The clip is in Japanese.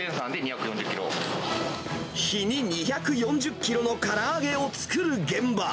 日に２４０キロのから揚げを作る現場。